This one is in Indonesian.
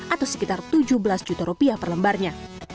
atau sekitar tujuh belas juta rupiah per lembarnya